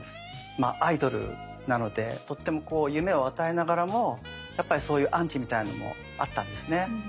まあアイドルなのでとってもこう夢を与えながらもやっぱりそういうアンチみたいなのもあったんですね。